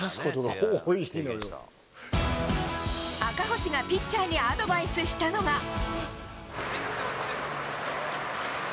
赤星がピッチャーにアドバイスしたのが。